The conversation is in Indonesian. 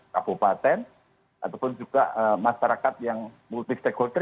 kabupaten ataupun juga masyarakat yang multi stakeholder